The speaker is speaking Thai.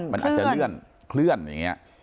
มันอาจจะเลื่อนเคลื่อนอย่างนี้